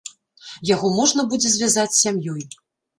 Яго можна будзе звязаць сям'ёй.